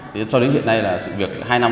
thế cho đến hiện nay là sự việc hai năm